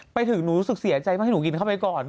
ไปถึงหนูรู้สึกเสียใจมากให้หนูกินเข้าไปก่อน